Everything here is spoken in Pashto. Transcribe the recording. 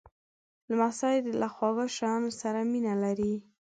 لمسی له خواږه شیانو سره مینه لري.